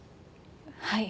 はい。